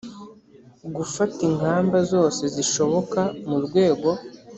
gufata ingamba zose zishoboka mu rwego